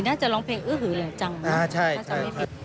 จะร้องเพลงอื้อหือเหลือจังถ้าจำไม่ผิด